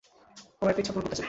আমার একটা ইচ্ছা পূরণ করতে চাই।